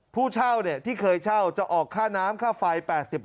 ผู้เช่าที่เคยเช่าจะออกค่าน้ำค่าไฟ๘๐